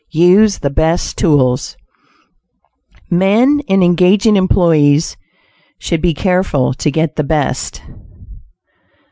USE THE BEST TOOLS Men in engaging employees should be careful to get the best.